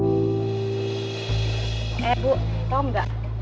eh bu tau nggak